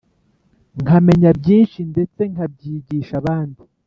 nkamenya byinshi ndetse nkabyigisha abandi.